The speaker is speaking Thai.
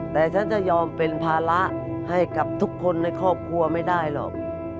แต่ฉันจะยอมเป็นภาระให้กับทุกคนในครอบครัวไม่ได้หรอก